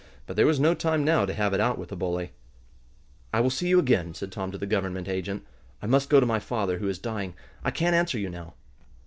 But there was no time now to have it out with the bully. "I will see you again," said Tom to the government agent. "I must go to my father, who is dying. I can't answer you now."